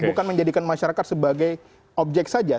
bukan menjadikan masyarakat sebagai objek saja